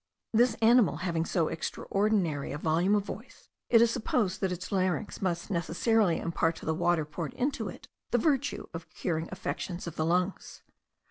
This animal having so extraordinary a volume of voice, it is supposed that its larynx must necessarily impart to the water poured into it the virtue of curing affections of the lungs.